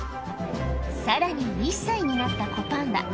さらに１歳になった子パンダ。